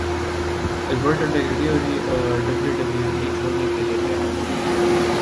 Alberto Del Rio W W E چھوڑنے کے لیے تیار